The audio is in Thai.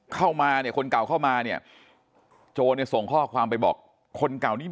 เข้ามาเนี่ยคนเก่าเข้ามาเนี่ยโจรเนี่ยส่งข้อความไปบอกคนเก่านี้